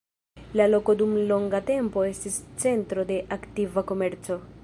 La loko dum longa tempo estis centro de aktiva komerco.